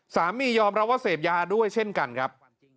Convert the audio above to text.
สามียอมรับว่าเสพยาด้วยเช่นกันครับ